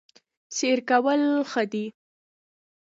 سیر کول ښه دي